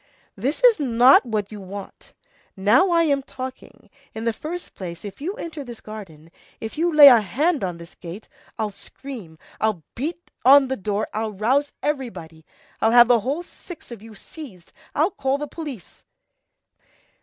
This is not what you want. Now I'm talking. In the first place, if you enter this garden, if you lay a hand on this gate, I'll scream, I'll beat on the door, I'll rouse everybody, I'll have the whole six of you seized, I'll call the police."